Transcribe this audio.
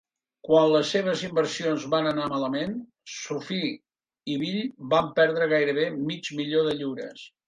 Quan les seves inversions van anar malament, Sophie i Bill van perdre gairebé mig milió de lliures.